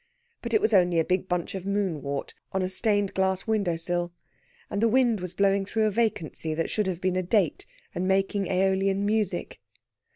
But it was only a big bunch of moonwort on a stained glass window sill, and the wind was blowing through a vacancy that should have been a date, and making Æolian music.